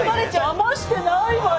だましてないわよ。